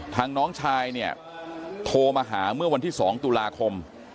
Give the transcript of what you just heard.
น้องชายเนี่ยโทรมาหาเมื่อวันที่๒ตุลาคม